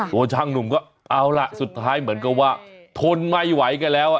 ตัวช่างหนุ่มก็เอาล่ะสุดท้ายเหมือนกับว่าทนไม่ไหวกันแล้ว